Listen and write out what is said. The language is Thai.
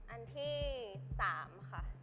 อันที่๓ค่ะ